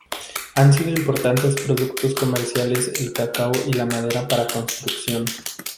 Han sido importantes productos comerciales el cacao y la madera para construcción.